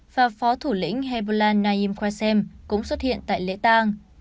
phó thủ lĩnh hezbollah naim qasem cũng xuất hiện tại lễ tăng